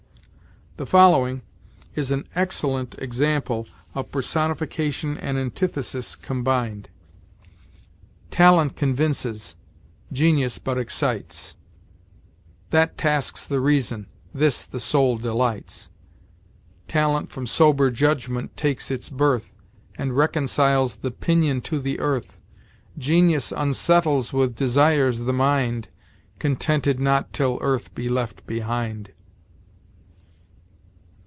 The following is an excellent example of personification and antithesis combined: "Talent convinces; Genius but excites: That tasks the reason; this the soul delights. Talent from sober judgment takes its birth, And reconciles the pinion to the earth; Genius unsettles with desires the mind, Contented not till earth be left behind."